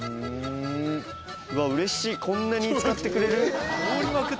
うわうれしいこんなに使ってくれる。